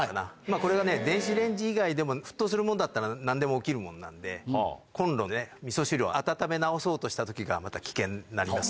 これがね、電子レンジ以外でも、沸騰するものだったらなんでも起きるものなんで、コンロでみそ汁を温め直そうとしたときが、また危険になります。